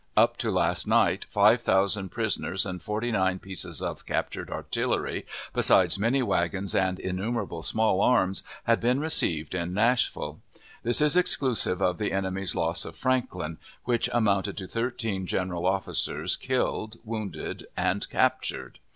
Up to last night, five thousand prisoners and forty nine pieces of captured artillery, besides many wagons and innumerable small arms, had been received in Nashville. This is exclusive of the enemy's loss at Franklin, which amounted to thirteen general officers killed, wounded, and captured.